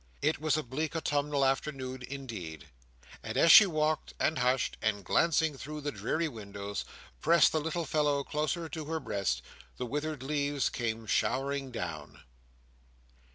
It was a bleak autumnal afternoon indeed; and as she walked, and hushed, and, glancing through the dreary windows, pressed the little fellow closer to her breast, the withered leaves came showering down.